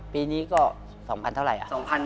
ปีนี้ก็๒๐๐เท่าไหร่